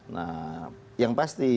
nah yang pasti